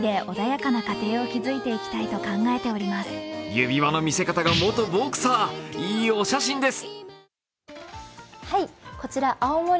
指輪の見せ方が元ボクサー、いいお写真です。